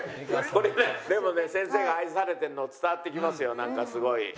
でもね先生が愛されてるの伝わってきますよすごい。